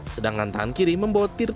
sedangkan tangan kiri membawa tirta